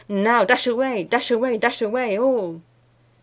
Now, dash away, dash away, dash away all!"